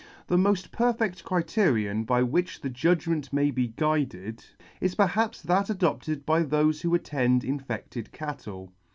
The moft perfect criterion by which the judgment may be guided, is perhaps that adopted by thofe who attend infected cattle.